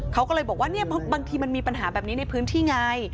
เขาก็เลยบอกว่าเนี่ยบางทีมันมีปัญหาแบบนี้ในพื้นที่ไง